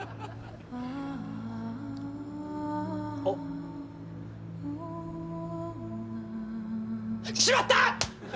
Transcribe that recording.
あっ！しまった！